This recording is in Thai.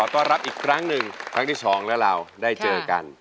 ต้อนรับอีกครั้งหนึ่งครั้งที่สองแล้วเราได้เจอกัน